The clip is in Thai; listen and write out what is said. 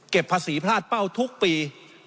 ภาษีพลาดเป้าทุกปี